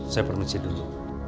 saya permisi dulu